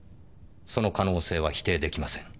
その可能性は否定できません。